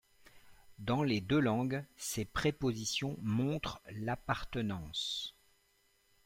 Dans les deux langues, ces prépositions montrent l'appartenance.